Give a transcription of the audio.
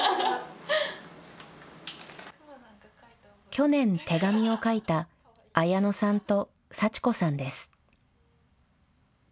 去年、手紙を書いたあやのさんと、さちこさんです。